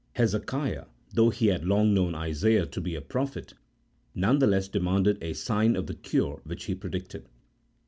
Hezekiah, though he had long known Isaiah to be a prophet, none the less demanded a sign of the cure which he predicted.